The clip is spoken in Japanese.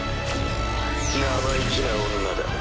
生意気な女だ。